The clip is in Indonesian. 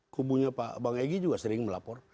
kpu nya pak bang egy juga sering melapor